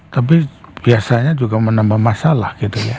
tapi biasanya juga menambah masalah gitu ya